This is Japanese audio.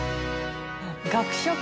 学食？